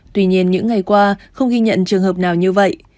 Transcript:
tuy nhiên những ngày qua không ghi nhận trường hợp nào như vậy